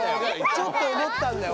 ちょっと思ったんだよ